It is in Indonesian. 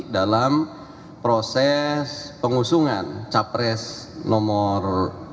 dalam proses pengusungan capres nomor satu